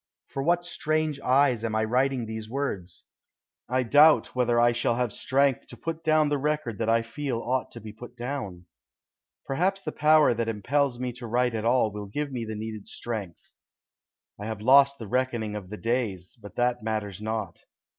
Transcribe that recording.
For what strange eyes am I writing these words? I doubt whether I shall have strength to put down the record that I feel ought to be put down. Perhaps the power that impels me to write at all will give me the needed strength. I have lost the reckoning of the days, but that matters not.